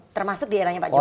termasuk di eranya pak jokowi